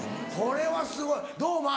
これはすごいどう？